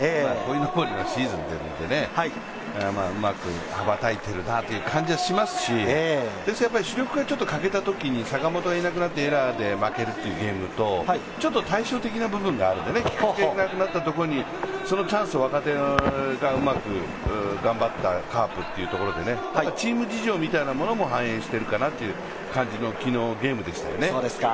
鯉のぼりのシーズンなのでうまく羽ばたいているなという感じがしますし主力が欠けたときに、坂本がいなくなってエラーで負けるというゲームと対照的な部分があるので、菊池がいなくなったところにそのチャンスを若手がうまく頑張ったカープというところで昨日はチーム事情みたいなものも反映しているかなという感じのゲームでしたね。